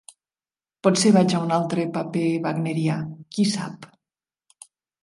Potser vaig a un altre paper wagnerià: qui sap?